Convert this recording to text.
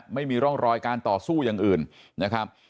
ไม่มีร่องรอยการต่อสู้อย่างอื่นนะครับ